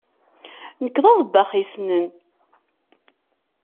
Nekk d aḍebbax yessnen.